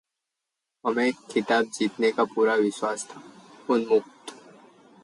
हमें खिताब जीतने का पूरा विश्वास था: उन्मुक्त